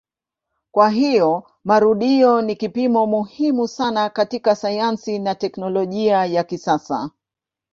Kwa hiyo marudio ni kipimo muhimu sana katika sayansi na teknolojia ya kisasa.